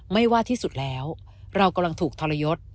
ว่าที่สุดแล้วเรากำลังถูกทรยศ